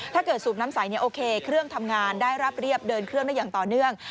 สูบน้ำใสโอเคเครื่องทำงานได้ราบเรียบเดินเครื่องได้อย่างต่อเนื่อง